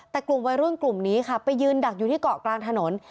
แต่กลุ่มวัยรุ่นกลุ่มนี้ค่ะไปยืนดักอยู่ที่เกาะกลางถนน